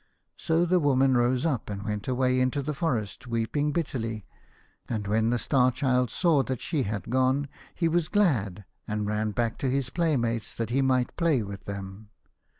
So the woman rose up, and went away into the forest weeping bitterly, and when the Star Child saw that she had gone, he was glad, and ran back to his playmates that he might play with them.